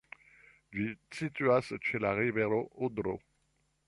Ĝi situas ĉe la rivero Odro.